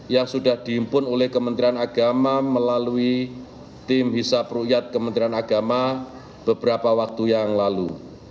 yang sudah diimpun oleh kementerian agama melalui tim hisap rukyat kementerian agama beberapa waktu yang lalu